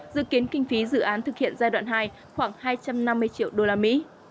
dự kiến kinh phí dự án thực hiện giai đoạn hai khoảng hai trăm năm mươi triệu usd